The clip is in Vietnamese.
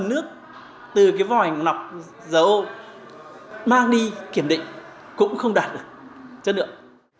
nguồn nước từ cái vòi lọc dở ô mang đi kiểm định cũng không đạt được chất lượng